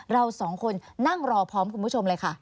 เราสองคนนั่งรอพร้อมคุณผู้ชมเลยค่ะ